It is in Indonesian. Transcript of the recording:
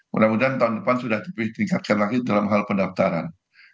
mudah mudahan tahun depan sudah ditingkatkan lagi dalam hal pendaftaran